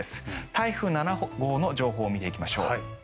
台風７号の情報を見ていきましょう。